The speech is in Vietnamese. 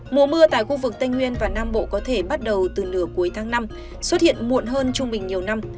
mùa mưa tại khu vực tây nguyên và nam bộ có thể bắt đầu từ nửa cuối tháng năm xuất hiện muộn hơn trung bình nhiều năm